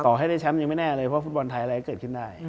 ให้ได้แชมป์ยังไม่แน่เลยเพราะฟุตบอลไทยอะไรก็เกิดขึ้นได้